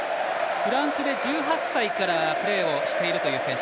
フランスで１８歳からプレーをしているという選手。